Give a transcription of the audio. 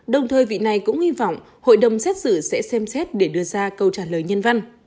đồng thời vị này cũng hy vọng hội đồng xét xử sẽ xem xét để đưa ra câu trả lời nhân văn